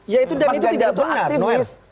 ya itu dan itu tidak benar noel